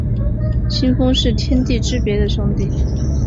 清风是天地之别的兄弟。